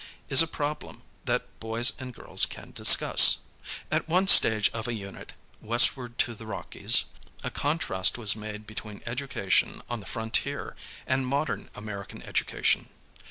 is a problem that boys and girls can discuss. At one stage of a unit. "Westward to the Rockies," a contrast was made between education on the frontier and modern American education.